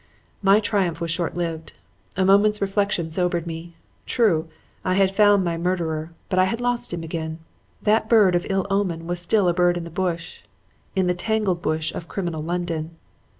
"My triumph was short lived. A moment's reflection sobered me. True, I had found my murderer; but I had lost him again. That bird of ill omen was still a bird in the bush; in the tangled bush of criminal London.